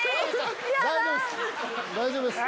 大丈夫です。